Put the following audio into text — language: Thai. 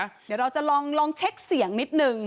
เดี๋ยวเราจะลองเช็คเสียงนิดนึง